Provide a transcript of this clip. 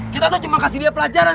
kita tuh cuma kasih dia pelajaran